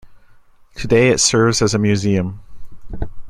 Today it serves as a museum.